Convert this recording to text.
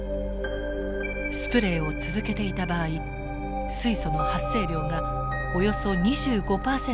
スプレイを続けていた場合水素の発生量がおよそ２５％減少。